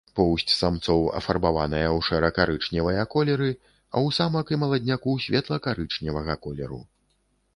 Поўсць самцоў афарбаваная ў шэра-карычневыя колеры, а ў самак і маладняку светла-карычневага колеру.